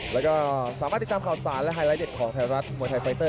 แล้วก็สามารถติดตามข่าวสารและไฮไลทเด็ดของไทยรัฐมวยไทยไฟเตอร์